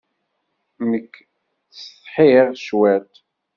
Nekk ttsetḥiɣ cwiṭ.